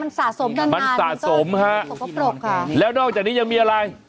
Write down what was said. มันสะสมนานมันสะสมค่ะแล้วนอกจากนี้ยังมีอะไร